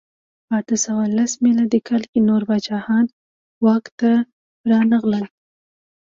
په اته سوه لس میلادي کال کې نور پاچاهان واک ته رانغلل.